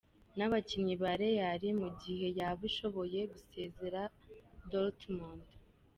nabakinnyi ba Real mugihe yaba ishoboye gusezerera Dortmund.